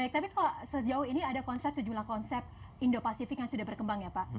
tapi kalau sejauh ini ada konsep sejumlah konsep indo pasifik yang sudah berkembang ya pak